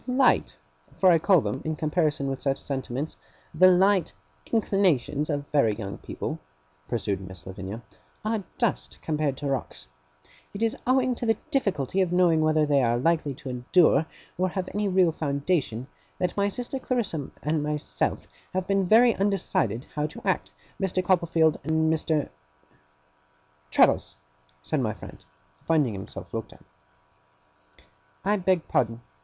'The light for I call them, in comparison with such sentiments, the light inclinations of very young people,' pursued Miss Lavinia, 'are dust, compared to rocks. It is owing to the difficulty of knowing whether they are likely to endure or have any real foundation, that my sister Clarissa and myself have been very undecided how to act, Mr. Copperfield, and Mr. ' 'Traddles,' said my friend, finding himself looked at. 'I beg pardon.